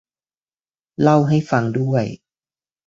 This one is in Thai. เล่าให้ฟังด้วย